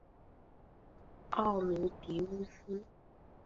奥卢狄乌斯。